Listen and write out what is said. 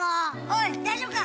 おい大丈夫か？